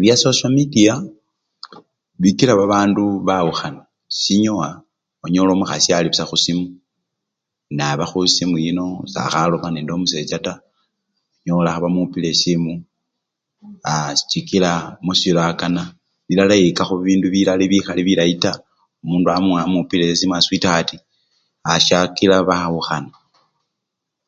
Bya sosyo mediya bikela babandu bawukhana, sinyowa onyola omukhasi alibusa khusimu naba khusimu yino sakhaloma nende omusecha taa, onyola khebamupila esimu asii chikila musilo akaana, bilala eyikakho bindu bilala bikhali bilayi taa, mundu wamu! mupila esimu arii switihart aa! syakila bawukhana.